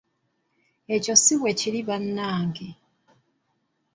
Ekyo si bwe kiri bannange?.